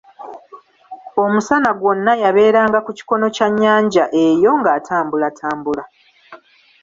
Omusana gwonna yabeeranga ku kikono kya nnyanja eyo ng'atambulatambula..